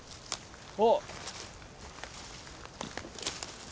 あっ！